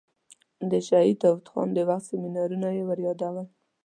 د شهید داود خان د وخت سیمینارونه یې وریادول.